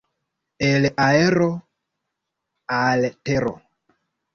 El aero al tero.